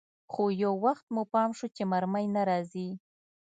خو يو وخت مو پام سو چې مرمۍ نه راځي.